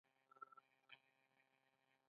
کجورې د معدې فعالیت ښه کوي.